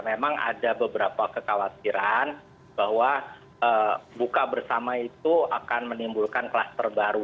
memang ada beberapa kekhawatiran bahwa buka bersama itu akan menimbulkan kluster baru